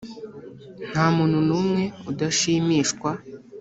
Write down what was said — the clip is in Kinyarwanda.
nta muntu n’umwe udashimishwa